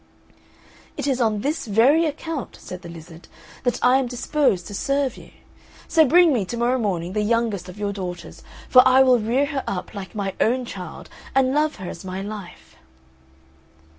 "It is on this very account," said the lizard, "that I am disposed to serve you; so bring me, to morrow morning the youngest of your daughters; for I will rear her up like my own child, and love her as my life."